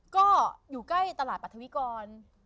ก็อยู่ใกล้ตลาดปรัฐวิกร